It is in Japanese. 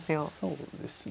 そうですね。